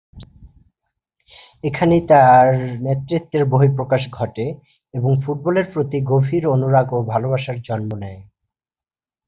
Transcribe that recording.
এখানেই তার নেতৃত্বের বহিঃপ্রকাশ ঘটে এবং ফুটবলের প্রতি গভীর অনুরাগ ও ভালবাসার জন্ম নেয়।